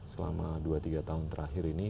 selama dua tiga tahun terakhir ini